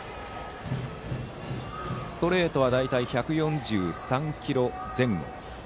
ストレートは大体１４３キロ前後。